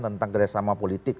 tentang kerjasama politik